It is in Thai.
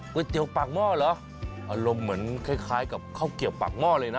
เตี๋ยวปากหม้อเหรออารมณ์เหมือนคล้ายกับข้าวเกียบปากหม้อเลยนะ